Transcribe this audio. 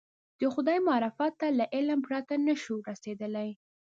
د خدای معرفت ته له علم پرته نه شو رسېدلی.